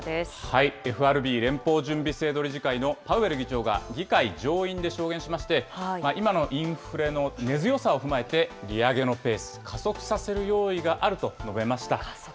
ＦＲＢ・連邦準備制度理事会のパウエル議長が、議会上院で証言しまして、今のインフレの根強さを踏まえて、利上げのペース、加速させる用意があると述べました。